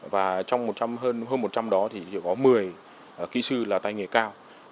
và trong hơn một trăm linh đó thì có một mươi kỹ sư là tay nghề cao